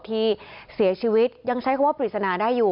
ที่เสียชีวิตยังใช้คำว่าปริศนาได้อยู่